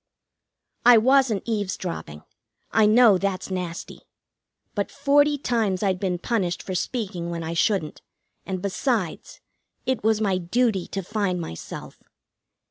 I wasn't eavesdropping; I know that's nasty. But forty times I'd been punished for speaking when I shouldn't, and, besides, it was my duty to find myself.